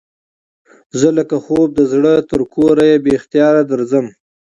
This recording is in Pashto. زه لکه خوب د زړه تر کوره بې اختیاره درځم